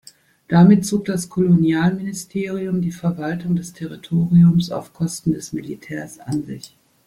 Damit zog das Kolonialministerium die Verwaltung des Territoriums auf Kosten des Militärs an sich.